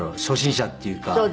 初心者っていうか。